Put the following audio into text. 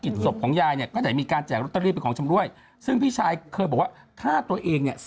เดี๋ยวมาเดี๋ยวดูหน่อย